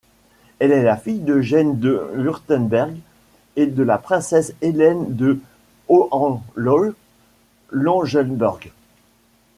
Elle est la fille d'Eugène de Wurtemberg et de la Princesse Helene de Hohenlohe-Langenburg.